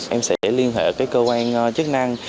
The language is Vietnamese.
em sẽ liên hệ cơ quan chức năng